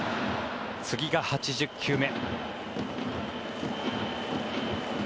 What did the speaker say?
次が８０球目。